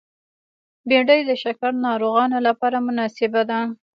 بېنډۍ د شکر ناروغانو لپاره مناسبه ده